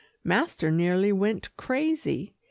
Master nearly went crazy.